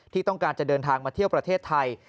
ที่ต้องการจะเดินทางมาเที่ยวประเทศไทย